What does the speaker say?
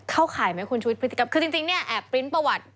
ข่ายไหมคุณชุวิตพฤติกรรมคือจริงเนี่ยแอบปริ้นต์ประวัติ